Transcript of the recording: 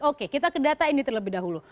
oke kita ke data ini terlebih dahulu